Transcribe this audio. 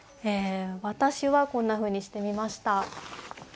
私はこんなふうにしてみました。